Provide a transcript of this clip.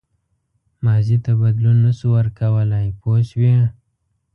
ماضي ته بدلون نه شو ورکولای پوه شوې!.